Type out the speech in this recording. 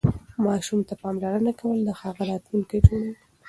ماسوم ته پاملرنه کول د هغه راتلونکی جوړوي.